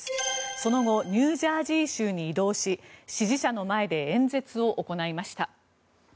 その後ニュージャージー州に移動し支持者の前で演説を行いました。